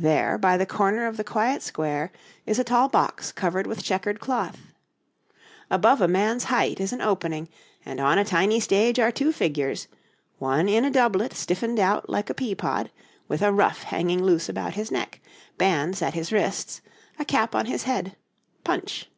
There, by the corner of the quiet square, is a tall box covered with checkered cloth. Above a man's height is an opening, and on a tiny stage are two figures, one in a doublet stiffened out like a pea pod, with a ruff hanging loose about his neck, bands at his wrists, a cap on his head Punch.